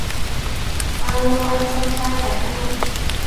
Alo anh xăm trai phải không ạ